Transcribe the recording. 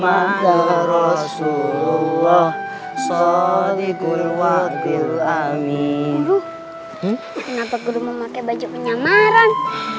kenapa guru memakai baju penyamaran